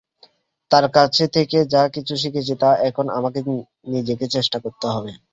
তার কাছ থেকে যা কিছু শিখেছি, তা এখন আমাকে নিজেকে চেষ্টা করতে হবে।